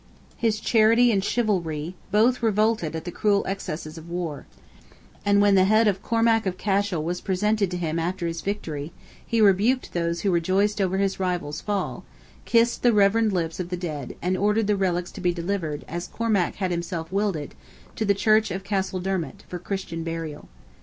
His charity and chivalry both revolted at the cruel excesses of war, and when the head of Cormac of Cashel was presented to him after his victory, he rebuked those who rejoiced over his rival's fall, kissed reverently the lips of the dead, and ordered the relics to be delivered, as Cormac had himself willed it, to the Church of Castledermot, for Christian burial.